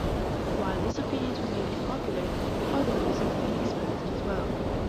While this opinion has remained popular, other views have been expressed as well.